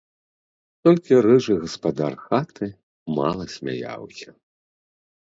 Толькі рыжы гаспадар хаты мала смяяўся.